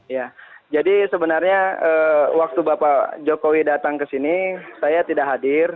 ya jadi sebenarnya waktu bapak jokowi datang ke sini saya tidak hadir